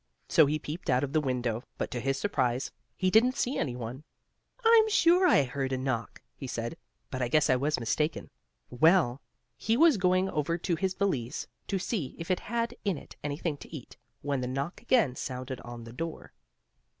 So he peeped out of the window, but to his surprise, he didn't see any one. "I'm sure I heard a knock," he said, "but I guess I was mistaken." Well, he was going over to his valise to see if it had in it anything to eat, when the knock again sounded on the door.